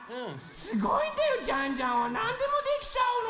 すごいんだよジャンジャンはなんでもできちゃうの。